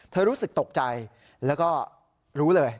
รู้สึกตกใจแล้วก็รู้เลย